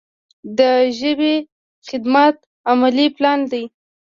د ژبې خدمت عملي پلان دی.